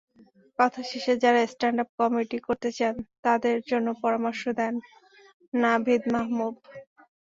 কথার শেষে যাঁরা স্ট্যান্ডআপ কমেডি করতে চান, তাঁদের জন্য পরামর্শ দেন নাভিদ মাহবুব।